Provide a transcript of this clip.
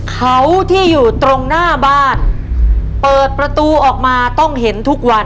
เขาที่อยู่ตรงหน้าบ้านเปิดประตูออกมาต้องเห็นทุกวัน